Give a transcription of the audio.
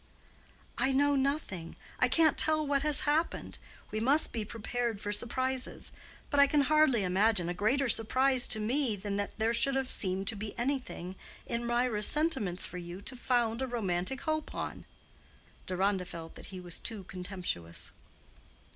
"I know nothing; I can't tell what has happened. We must be prepared for surprises. But I can hardly imagine a greater surprise to me than that there should have seemed to be anything in Mirah's sentiments for you to found a romantic hope on." Deronda felt that he was too contemptuous.